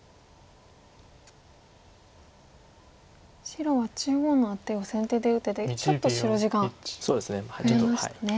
白は中央のアテを先手で打ててちょっと白地が増えましたね。